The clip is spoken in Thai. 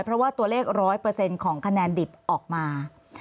เพราะว่าตัวเลขร้อยเปอร์เซ็นต์ของคะแนนดิบออกมา